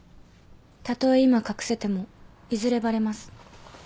たとえ今隠せてもいずれバレます。